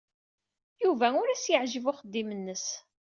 Yuba ur as-yeɛjib uxeddim-nnes.